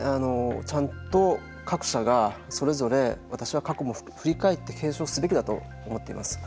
ちゃんと各社がそれぞれ私は過去も振り返って検証すべきだと思っています。